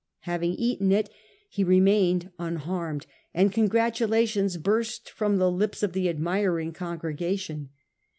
Having eaten it he remained unharmed, and congratulations burst from the lips of the admiring congregation.